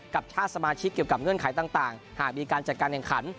กับชาติสมาชิกเกี่ยวกับเงื่อนไขต่างหากมีการจัดการแข่งขัน